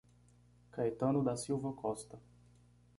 Caetano da Silva Costa